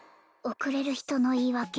遅れる人の言い訳